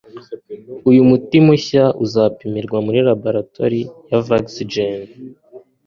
uyu muti mushya uzapimirwa muri laboratoire ya vaxgen